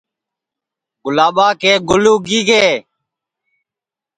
گُلابا کے گُل اُگی گے